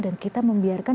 dan kita membiarkan